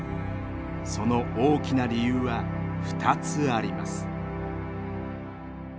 その大きな理由は２つあります。